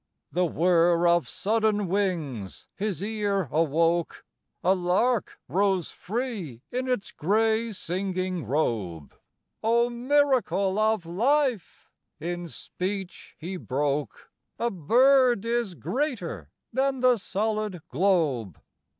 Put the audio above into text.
The whirr of sudden wings his ear awoke, A lark rose free in its grey singing robe. "O miracle of life," in speech he broke, "A bird is greater than the solid globe!" III.